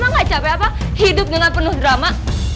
gak capek apa hidup dengan penuh drama